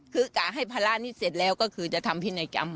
คือกะให้ภาระนี้เสร็จแล้วก็คือจะทำพินัยกรรม